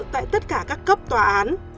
tại tất cả các cấp tòa án